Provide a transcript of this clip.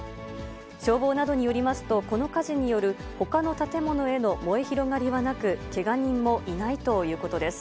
消防などによりますと、この火事によるほかの建物への燃え広がりはなく、けが人もいないということです。